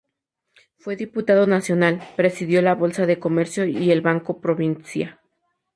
Fue diputado nacional, presidió la Bolsa de Comercio y el Banco Provincia.